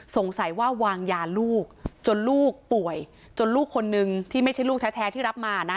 สงสัยว่าวางยาลูกจนลูกป่วยจนลูกคนนึงที่ไม่ใช่ลูกแท้ที่รับมานะ